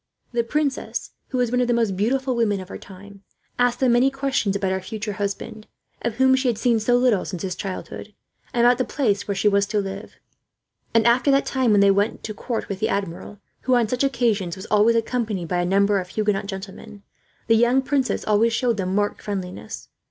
The princess, who was one of the most beautiful women of her time, asked them many questions about her future husband, of whom she had seen so little since his childhood, and about the place where she was to live; and after that time, when they went to court with the Admiral, who on such occasions was always accompanied by a number of Huguenot gentlemen, the young princess always showed them marked friendliness.